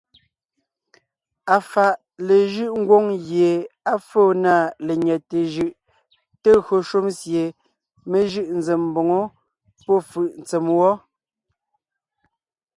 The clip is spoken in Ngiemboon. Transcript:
Afàʼa léjʉ́ʼ ngwóŋ gie á fóo na lenyɛte jʉʼ te gÿo shúm sie mé jʉʼ zém mboŋó pɔ́fʉ̀ʼ ntsèm wɔ́.